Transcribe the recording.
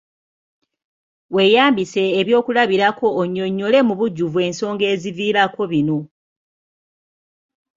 Weeyambise ebyokulabirako onnyonnyole mu bujjuvu ensonga eziviirako bino.